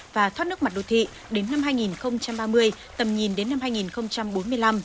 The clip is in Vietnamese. và thoát nước mặt đô thị đến năm hai nghìn ba mươi tầm nhìn đến năm hai nghìn bốn mươi năm